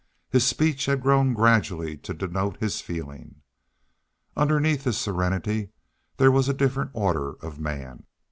His speech had grown gradually to denote his feeling. Underneath his serenity there was a different order of man.